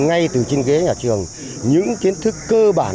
ngay từ trên ghế nhà trường những kiến thức cơ bản